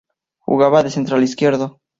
Jugaba de central izquierdo.